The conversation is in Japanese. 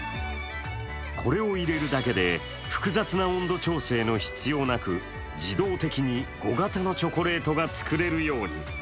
これを入れるだけで、複雑な温度調整の必要なく自動的に５型のチョコレートが作れるように。